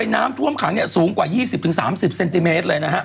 น้ำท่วมขังสูงกว่า๒๐๓๐เซนติเมตรเลยนะฮะ